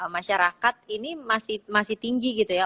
masyarakat ini masih tinggi gitu ya